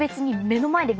目の前で？